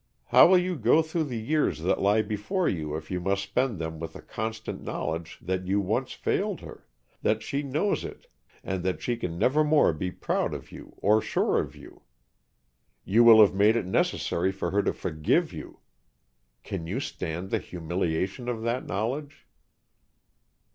How will you go through the years that lie before you if you must spend them with the constant knowledge that you once failed her, that she knows it, and that she can nevermore be proud of you or sure of you? You will have made it necessary for her to forgive you. Can you stand the humiliation of that knowledge?"